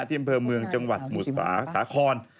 ที่อำเภอเมืองจังหวัดสมุสราคอน